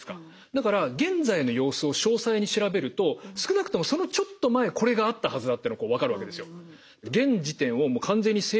だから現在の様子を詳細に調べると少なくともそのちょっと前これがあったはずだっての分かるわけですよ。